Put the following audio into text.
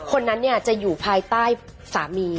คนนั้นเนี่ยจะอยู่ภายใต้สามี